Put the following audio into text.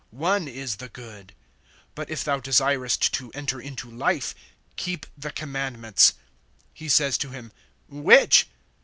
One is the Good. But if thou desirest to enter into life, keep the commandments. (18)He says to him, Which?